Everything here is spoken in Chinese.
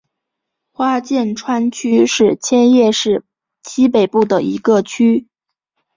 花见川区是千叶市西北部的一个区。